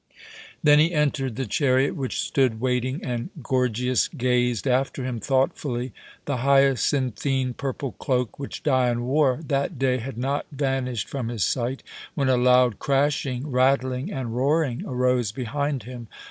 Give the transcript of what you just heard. Then he entered the chariot which stood waiting, and Gorgias gazed after him thoughtfully. The hyacinthine purple cloak which Dion wore that day had not vanished from his sight when a loud crashing, rattling, and roaring arose behind him.